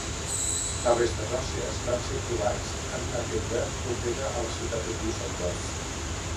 Les restes òssies van ser trobats en una pedrera propera a la ciutat de Düsseldorf.